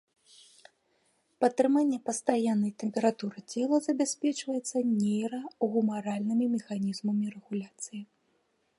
Падтрыманне пастаяннай тэмпературы цела забяспечваецца нейрагумаральнымі механізмамі рэгуляцыі.